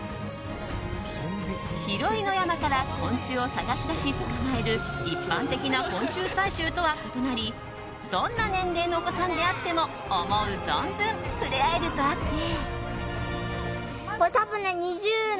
広い野山から昆虫を探し出し捕まえる一般的な昆虫採集とは異なりどんな年齢のお子さんであっても思う存分触れ合えるとあって。